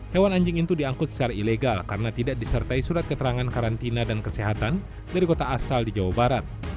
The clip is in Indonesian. hewan anjing itu diangkut secara ilegal karena tidak disertai surat keterangan karantina dan kesehatan dari kota asal di jawa barat